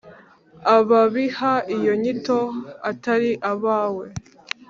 Ababiha iyo nyito atari abawe,